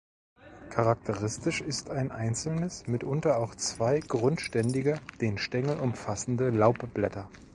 Charakteristisch ist ein einzelnes, mitunter auch zwei grundständige, den Stängel umfassende Laubblätter.